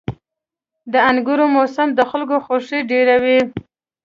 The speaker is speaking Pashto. • د انګورو موسم د خلکو خوښي ډېروي.